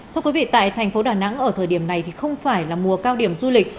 thưa quý vị tại thành phố đà nẵng ở thời điểm này thì không phải là mùa cao điểm du lịch